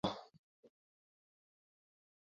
Aquí se encuentra la sede de Angra do Heroísmo.